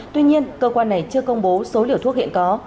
tuy nhiên cơ quan này chưa công bố số liều thuốc hiện có